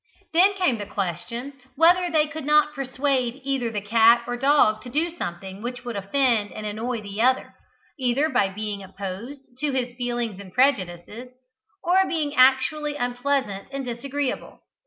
Then came the question whether they could not persuade either the cat or dog to do something which would offend and annoy the other, either by being opposed to his or her feelings and prejudices, or being actually unpleasant and disagreeable.